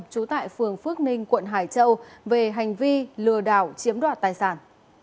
trú tại phường phước ninh quận hải châu về hành vi lừa đảo chiếm đoạt tài sản